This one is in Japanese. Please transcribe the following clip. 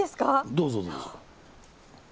どうぞどうぞ。